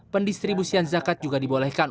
pendistribusian zakat juga dibolehkan